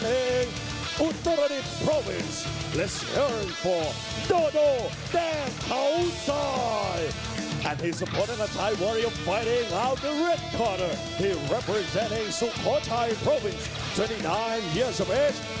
ทุกท่านดีกว่าจอมยักษ์ไซม์โดโดแดงเขาซ่อน